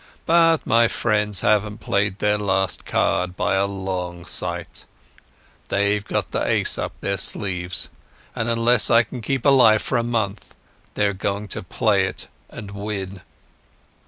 But my friends haven't played their last card by a long sight. They've gotten the ace up their sleeves, and unless I can keep alive for a month they are going to play it and win."